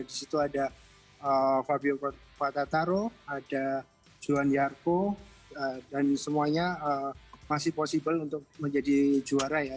di situ ada fabio fataro ada johan yarko dan semuanya masih possible untuk menjadi juara ya